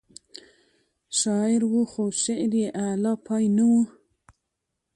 شاعر و خو شعر یې اعلی پای نه و.